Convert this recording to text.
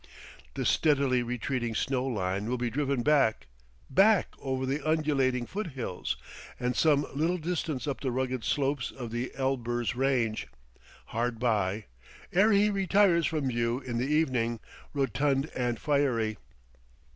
The steadily retreating snow line will be driven back back over the undulating foot hills, and some little distance up the rugged slopes of the Elburz range, hard by, ere he retires from view in the evening, rotund and fiery.